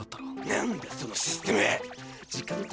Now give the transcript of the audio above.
何だそのシステムは。